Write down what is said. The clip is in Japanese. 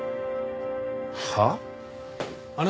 はあ？